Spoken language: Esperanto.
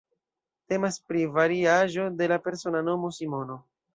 Temas pri variaĵo de la persona nomo Simono.